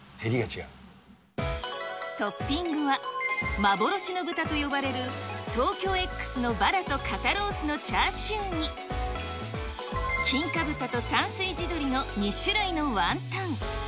トッピングは、幻の豚と呼ばれるＴＯＫＹＯＸのバラと肩ロースのチャーシューに、金華豚と山水地鶏の２種類のワンタン。